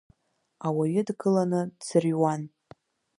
Ауаҩы дгыланы дӡырыҩуан.